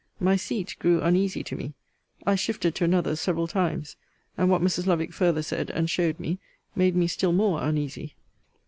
My seat grew uneasy to me. I shifted to another several times; and what Mrs. Lovick farther said, and showed me, made me still more uneasy.